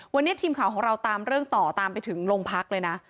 วันนี้ทีมข่าวของเราตามเรื่องต่อตามไปถึงโรงพักเลยนะ